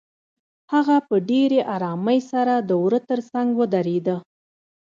هغه په ډېرې آرامۍ سره د وره تر څنګ ودرېده.